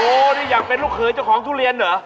นี่อยากเป็นลูกเขยเจ้าของทุเรียนเหรอ